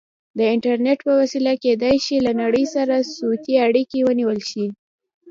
د انټرنیټ په وسیله کیدای شي له نړۍ سره صوتي اړیکې ونیول شي.